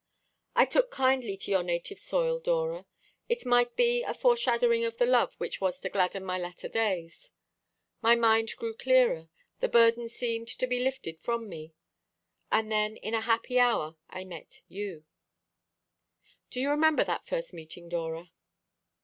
"I took kindly to your native soil, Dora. It might be a foreshadowing of the love which was to gladden my latter days. My mind grew clearer, the burden seemed to be lifted from me. And then in a happy hour I met you. "Do you remember that first meeting, Dora?"